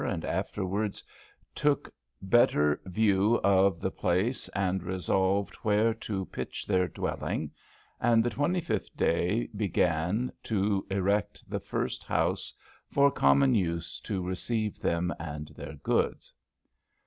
And after wards tooke better view of ye place, and resolved wher to pitch their dwelling; and ye 25. day begane to erecte ye first house for comone use to receive them and their goods."